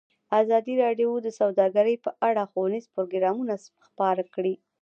ازادي راډیو د سوداګري په اړه ښوونیز پروګرامونه خپاره کړي.